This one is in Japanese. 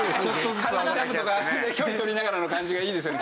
軽いジャブとか距離とりながらの感じがいいですよね